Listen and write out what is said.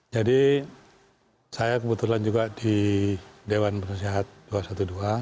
jadi saya kebetulan juga di dewan perhiasan dua ratus dua belas